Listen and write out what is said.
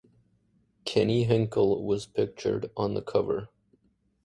Kenny Hinkle was pictured on the cover.